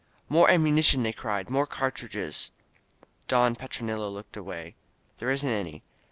"More am munition !" they cried. *'More cartridges !" Don Petronilo looked away. "There isn't any!'